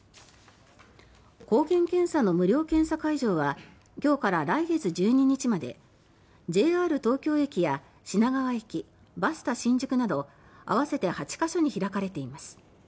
抗原検査の無料検査会場は今日から来月１２日までＪＲ東京駅や品川駅バスタ新宿など合わせて８か所に開かれています。